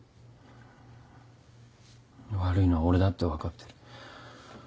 悪いのは俺だって分かってる。